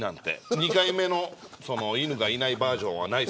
２回目の犬がいないバージョンはないです。